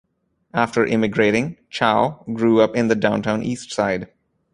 After immigrating, Chow grew up in the Downtown Eastside.